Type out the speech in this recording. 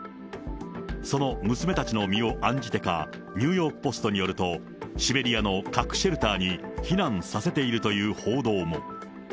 その娘たちの身を案じてか、ニューヨーク・ポストによるとシベリアの核シェルターに避難させているという報道も。